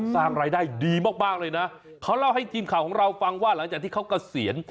สร้างรายได้ดีมากเลยนะเขาเล่าให้ทีมข่าวของเราฟังว่าหลังจากที่เขาเกษียณ